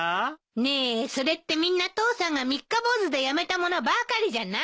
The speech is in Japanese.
ねえそれってみんな父さんが三日坊主でやめたものばかりじゃない。